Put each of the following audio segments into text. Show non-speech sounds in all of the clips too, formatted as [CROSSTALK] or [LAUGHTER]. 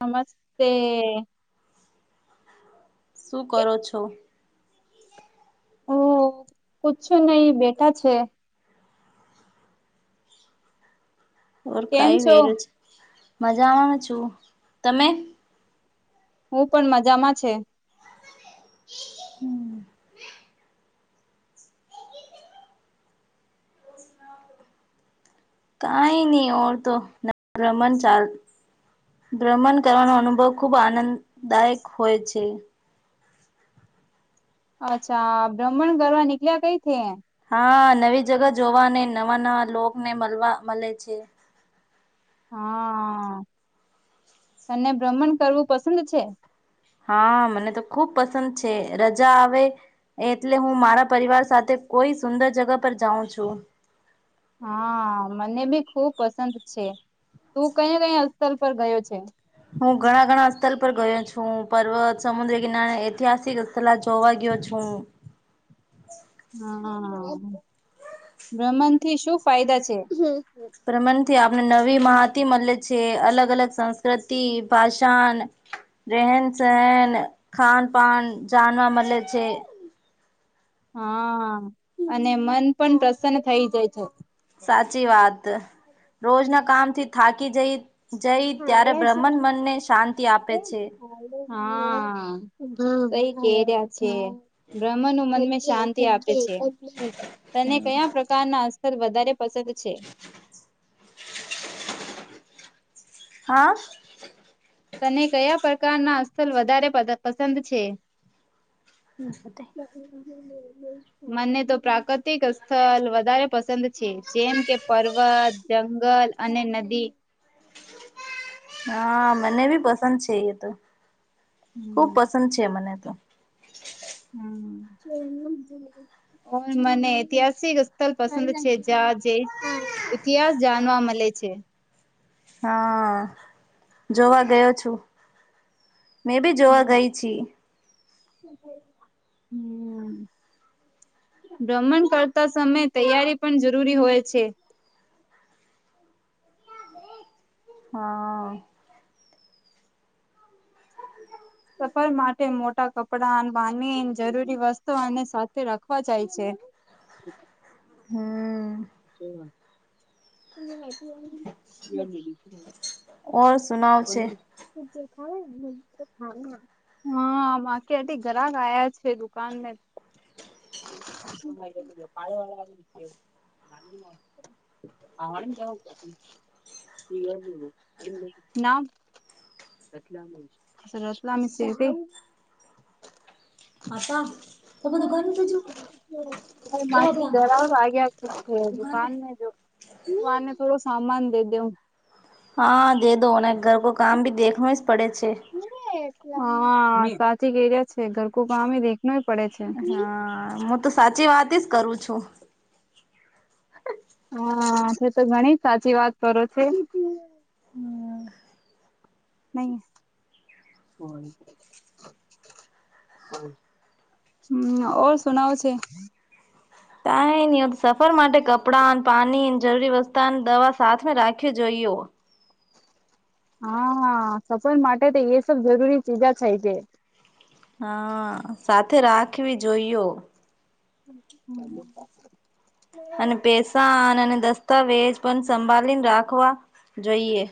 નમસ્તે શું કરો છો હ કુછ નહી બેટા છે ઓર કેમ કઈ છો વેલું મજામાંનું છું તમે હું પણ મજામાં છે હમ કઈ નહી ઓર તો ભ્રમણ ચાલ ભ્રમણ કરવાનો અનુભવ ખુબ આનંદદાયક હોય છે અચ્છા બ્રહ્મણ ઘર નીકળ્યા કઈ કે હા નવી જગા જોવા નવા નવા લોક ને મળવા મળે છે હા તને ભ્રમણ કરવું પસંદ છે હા મને તો ખુબ પસંદ છે રજા આવે એટલે હું મારા પરિવાર સાથે કોઈ સુંદર જગા પર જાઉં છું હા મને બી ખુબ પસંદ છે તું કયા કયા સ્થલ પર ગયો છે હું ઘણા ઘણા સ્થળ પર ગયો છું પર્વત સમુદ્ર કિનારે ઐતિહાસિક સ્થળ જોવા ગયો છું હા ભ્રમણ થી શું ફાયદા છે પ્રમાણથી આપણે નવી માહતી મળે છે અલગ અલગ સંસ્કૃતિ, ભાષા, ન રહેન સહેન ખાન પાન જાનવા મળે છે હા અને મન પણ પ્રસન્ન થઈ જાય છે સાચી વાત રોજના કામથી થાકી જઈ જઈ ત્યારે ભ્રમણ મનને શાંતિ આપે છે હા કે રહ્યા છે ભ્રમણ નું મન શાંત આપે છે તને કયા પ્રકારના અથર વધારે પસંદ છે. હા. તને કયા પ્રકારના સ્થલ વધારે પસંદ છે. નાતે [INAUDIBLE] મને તો પ્રાકૃતિક સ્થળ વધારે પસંદ છે જેમ કે. પર્વત જંગલ અને નદી. હા મને બી પસંદ છે એ તો ખુબ પસંદ છે મને તો. હમ મને ઐતિહાસિક. તલ પસંદ છે, જા જે ઇતિહાસ જાનવા મલે છે. હ, જોવા ગયો છું, મેં બી જોવા ગઈ. છી [UNINTELLIGIBLE] [INAUDIBLE] હમ, ભ્રમણ કરતા સમેય તૈયારી પણ જરૂરી હોય છે. બેચ હ, [INAUDIBLE] [UNINTELLIGIBLE] સફર માટે મોટા કપડા ન બાની ન જરૂરી વસ્તુ અને સાથે રાખવા જાય છે. હમ. શે વાત [UNINTELLIGIBLE] [INAUDIBLE] તુ ને મૈતી, હ, ઓર સુનાવ છે બનેવી. તુ જે ખાય હું તો ખાય [INAUDIBLE] [UNINTELLIGIBLE] હ, માકે આટી ઘરાક આયા છે, દુકાન મે. નાગલી નો. આમાના કે કેમક પછી, ન રતલામી સેવ, અચ્છા રતલામી સેવ કઈ? પાપા તમે દુકાને તો જુઓ. માથે જરાવ વાગ્યા છે, દુકાન મે જો. આને થોડો સામાન દે દેઉ. હ, દે દો ને ઘરકો કામ ભી દેખનો જ પડે છે. હ, સાચી કૈરિયા છે, ઘરકો કામહી દેખ. નોય પડે છે. હા, મું તો સાચી વાતી જ કરું છું. હા, છે તો ઘણી સાચી વાત કરો છે. હ, નઇ. હ, હમ, ઓર સુનાવો છે. કાઈની સફર માટે કપડા ન પાણી જરૂરી વસ્તા દવા સાથ મે રાખવી જોઈઓ. હા, હા, સફર માટે તે યે સબ જરૂરી ચીજા થઈ છે. હ, સાથે રાખવી જોઈયો. હમ, ને. અને પૈસાન અને દસ્તાવેજ પન સંભાલીને રાખવા જોઈએ.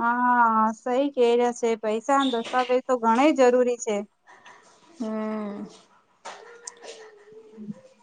હા, સઈ કે રીયા છે, પૈસા દસ્તાવેજ તો ઘણે જરૂરી છે. હમ, ઉભીરે.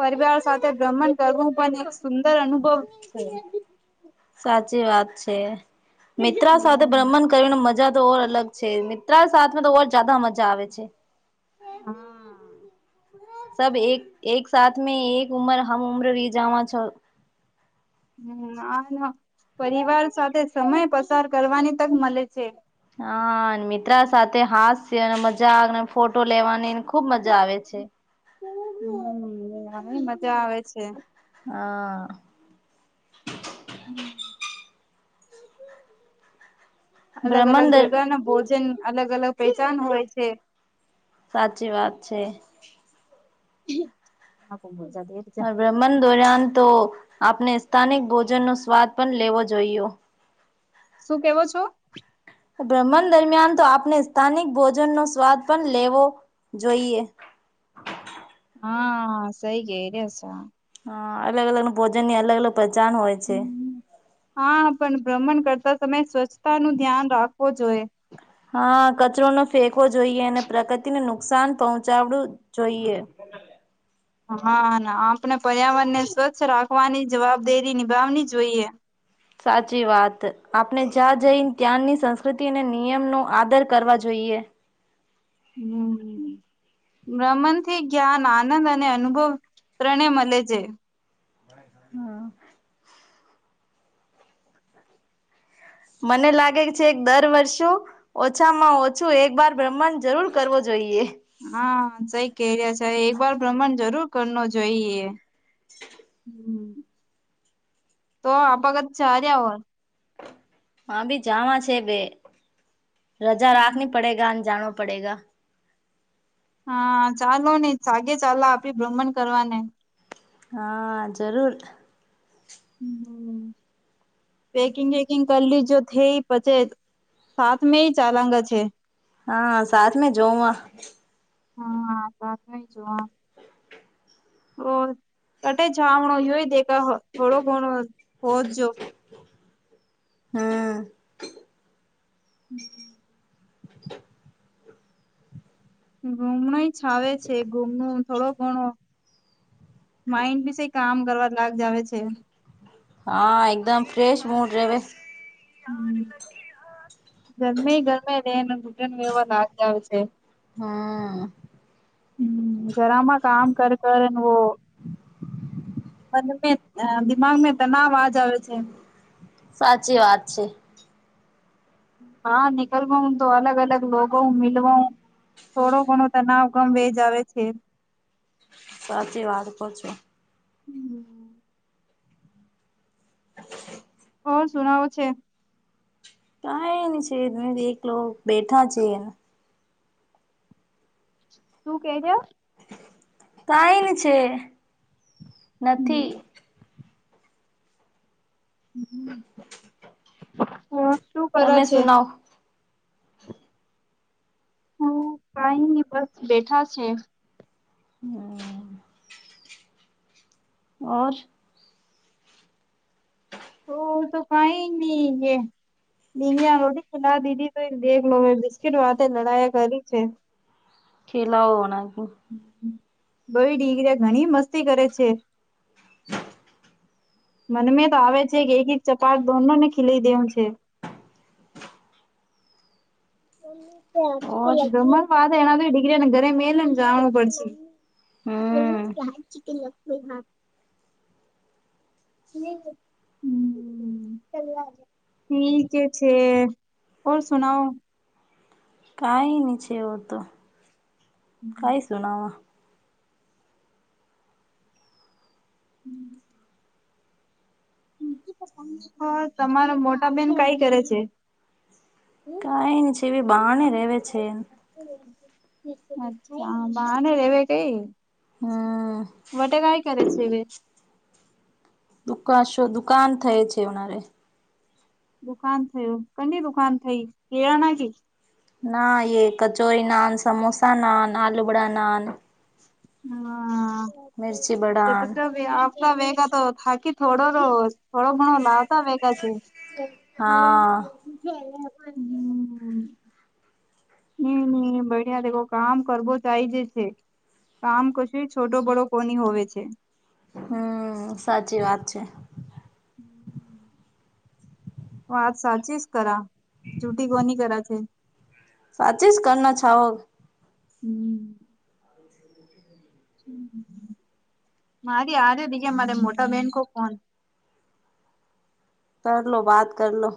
પરિવાર સાથે ભ્રમન કરવું પણ એક સુંદર અનુભવ છે. સાચી વાત છે, મિત્રા સાથે ભ્રમણ. કરવાનો મજા તોર અલગ છે, મિત્રા સાથે તો ઓર જાયદા મજા આવે છે. જે બી, હમ, સબ એક એક સાથ મે એક ઉમર હમ ઉમ્ર રીજાવા છ. હમ, ના ના પરિવાર સાથે સમય પસાર કરવાની તક મલે છે. હા ન મિત્રા સાથે હાસ્ય ને મજા ને ફોટો લેવાની ને ખૂબ મજા આવે છે. હમ્મ [UNINTELLIGIBLE] મજા આવે છે. હા. અલગ અલગ બ્રહ્માંડ જગા ના પોસ્ટ જન અલગ અલગ પેચાન હોય છે. સાચી વાત છે. [UNINTELLIGIBLE] હ તો મજા દેત હા બ્રાહ્મણ દોર્યાન તો આપણે સ્થાનિક ભોજન નો સ્વાદ પણ લેવો જોઈઓ. શું કેવો છો? આ બ્રાહ્મણ દરમિયાન તો આપણે સ્થાનિક ભોજન નો સ્વાદ પણ લેવો જોઈએ. હા સઈ ગે એ રહ્યાસ હ અલગ અલગ ભોજનની અલગ અલગ પહેચાન હોય છે. હા પણ બ્રાહ્મણ કરતા તમે સ્વચ્છતા નું ધ્યાન રાખવું જોઈએ. હા કચરો નો ફેંકવો જોઈએ અને પ્રકૃતિને નુકસાન પહોંચાડવું જોઈએ. [UNINTELLIGIBLE] હા ના આપણે પર્યાવરણ ને સ્વચ્છ રાખવાની જવાબદેરી નિભાવની જોઈએ. સાચી વાત આપણે જ્યાં જઈને ત્યાંની સંસ્કૃતિ અને નિયમનો આદર કરવા જોઈએ. હમ્મ. બ્રહ્માંડ થી જ્ઞાન આનંદ અને અનુભવ ત્રણે મળે છે. હા. મને લાગે છે એક દર વર્ષો ઓછામાં ઓછું એક બર બ્રહ્મણ જરૂર કરવો જોઈએ. હા સઈ કરહ્યા છે એક વાર ભ્રમણ જરૂર કર નો જોઈએ. હમ્મ તો આપગત જ રહ્યા હો. હા ભી જાવા છે બે રજા રાખની પડેગ અને જાણવ પડેગ. હા ચાલો નહી સાગે ચાલ આપી ભ્રમણ કરવા ને. હા જરૂર. હમ્મ પેકિંગ વેકિંગ કરી લી જો થઈ પછી સાથ મે ચાલાંગા છે. હા સાથ મે જોવા હા સાતમી જોવા ઓ કટે જામણો યોય દેખા થોડો ઘણો હોચજો. હા. હમ્મ. ગુમડાઈ જવે છે ગુમનું થોડો ઘણો માઇન્ડ બી સે કામ કરવા લાગ જવે છે. હા એકદમ ફ્રેશ મૂડ રાહવેશ હમ્મ ગરમે ગરમે લે ને ઘૂટન એવો લાગ આવે છે. હા. હમ્મ ઘરામાં કામ કર કર [UNINTELLIGIBLE] [UNINTELLIGIBLE] આ દિમાગમાં તનાવ આ જવે છે. સાચી વાત છે. હા નિકલવા તો અલગ અલગ લોકોગ મિલવા થોડો ઘણો તનાવ ગમ વે જવે છે. સાચી વાત કો છો. હમ, હા શુંણવો છે. કઈ ન છે એક લોકો બેઠા છે. શું કે એ હો. કઈ ન છે નથી. હમ હમ હમ [UNINTELLIGIBLE] તમે સુનાવ. હું કઈ ન બસ બેઠા છે. હમ. ઓર. ઓ તો કઈ નહી એ. ીંગ આંગોટી ખેલા દીધી તો દેખ લો મેં બિસ્કીટ વા લડાયા કરી છે. ખેલા હોના. બળી દીકરી ઘણી મસ્તી કરે છે. હ મનમે તો આવે છે કે એક એક ચપાટ દોનો ને ખીલાઈ દેવું છે. ઓર વાત એના તો ડિગ્રીને ઘરે મેલને જાણવું પડશે. હમ હહે ચિકન લખનઉ હા હમ ચલ્ ઠીક છે ઓર સુનાઓ કઈ ની છેેવ તો કઈ સુનાવા હમ તમારા મોટા બેેન કઈ કરે છે. કઈ ન છેવી બાણે ર રહે છે એમ બાને રેવે કઈ હમ વટ કઈ કરે છે એવે દુક શો દુકાન થય છેવનારે દુકાન થયું કની દુકાન થઈ કેળા ના કે ના એ કચોરી નાન સમોસા નાન આલુ બડા ના મિર્ચી હા બડાન આપ વેગા તો થાકી થોડો થોડો ઘણો લાવતા વેગા છે. હા છ પણ હમ હ ન બ્યા કામ કરવો ચઇ જ છે. કામ કશું છોટો બળો કોની હોવે છે. હમ સાચી વાત છે. હમ વાત સાચી જ કરા જૂઠી કોની કરા છે. સાચી જ કરના છઓ હમ મારી આ બીજ મારે મોટા બહેન કો કોન કરલો લો બાત કરલો લો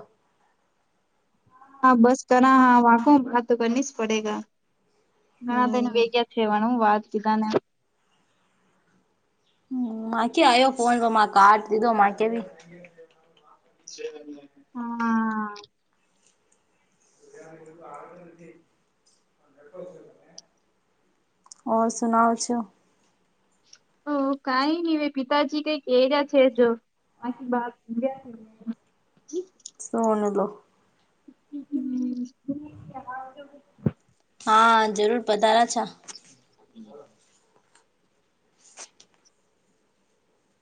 હા બસ કર હા વા તો કરની જ પડેગ ઘણા બને હમ વેગ છેવાનું હું વાત કીધા ને હ મા આવ્યો ફોન કઢ લીધો માકે ભી હમ આ ઓર સુનાવ છો. ઓ કઈ નઈ પિતાજી કઈક એ્યા છે જો આકી બા ગ સોન લો હ હા જરૂર પધારા છે. હમ